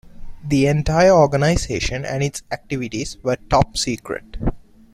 The entire organisation and its activities were top-secret.